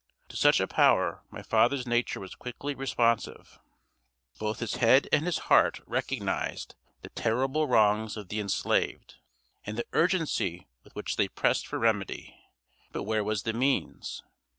To such a power, my father's nature was quickly responsive. Both his head and his heart recognized the terrible wrongs of the enslaved, and the urgency with which they pressed for remedy; but where was the means?